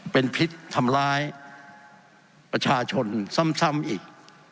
เป็นพิษทำร้ายประชาชนซ้ำอีก